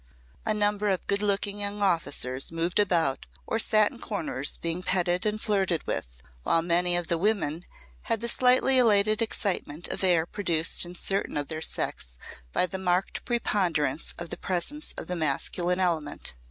A number of good looking young officers moved about or sat in corners being petted and flirted with, while many of the women had the slightly elated excitement of air produced in certain of their sex by the marked preponderance of the presence of the masculine element.